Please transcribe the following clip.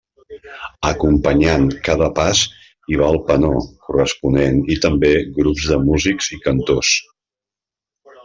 Acompanyant cada pas hi va el penó corresponent i també grups de músics i cantors.